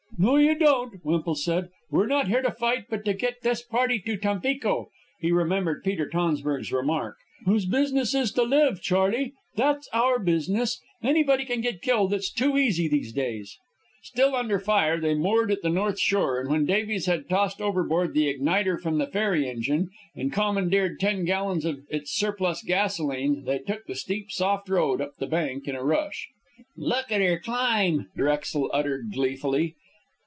"No, you don't," Wemple said. "We're not here to fight, but to get this party to Tampico." He remembered Peter Tonsburg's remark. "Whose business is to live, Charley that's our business. Anybody can get killed. It's too easy these days." Still under fire, they moored at the north shore, and when Davies had tossed overboard the igniter from the ferry engine and commandeered ten gallons of its surplus gasoline, they took the steep, soft road up the bank in a rush. "Look at her climb," Drexel uttered gleefully.